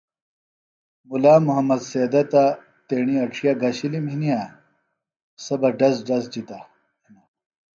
مُلا محمد سیدہ تہ تیݨی اڇھیہ گھشِلم ہنے سے بہ ڈِزڈز جِتہ ہِنہ